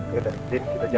jangan lupa ya